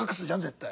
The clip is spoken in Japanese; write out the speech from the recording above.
絶対。